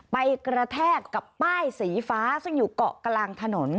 ไปกระแทกกับป้ายสีฟ้าซึ่งอยู่เกาะกลางถนน